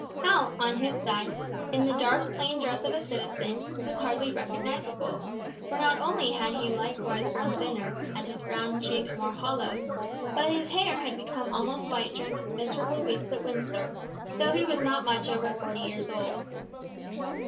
Hal on his side, in the dark plain dress of a citizen, was hardly recognisable, for not only had he likewise grown thinner, and his brown cheeks more hollow, but his hair had become almost white during his miserable weeks at Windsor, though he was not much over forty years old.